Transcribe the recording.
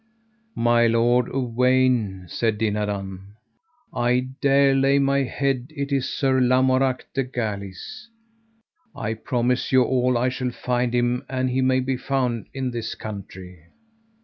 My lord Uwaine, said Dinadan, I dare lay my head it is Sir Lamorak de Galis. I promise you all I shall find him an he may be found in this country.